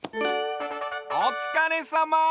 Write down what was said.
おつかれさま！